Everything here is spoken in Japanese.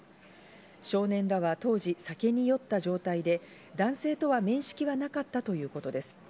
少年らは当時、酒に酔った状態で、男性とは面識はなかったということです。